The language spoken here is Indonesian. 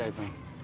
dari teman saya itu